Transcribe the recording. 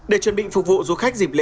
để chuẩn bị phục vụ du khách dịp lễ